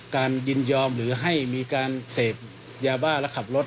ยินยอมหรือให้มีการเสพยาบ้าและขับรถ